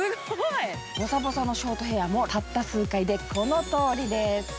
ボサボサのショートヘアもたった数回でこの仕上がりです。